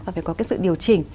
và phải có cái sự điều chỉnh